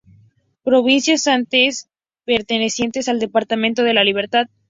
Provincias antes pertenecientes al departamento de la Libertad.